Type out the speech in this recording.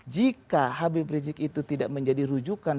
jika habib rizik itu tidak menjadi rujukan